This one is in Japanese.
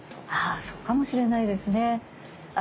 ああそうかもしれないですね。